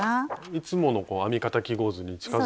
いつもの編み方記号図に近づいたというか。